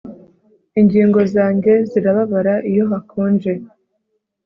Ingingo zanjye zirababara iyo hakonje